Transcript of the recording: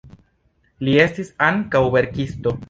Li estis ankaŭ verkisto.